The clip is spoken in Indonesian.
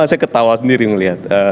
saya ketawa sendiri melihat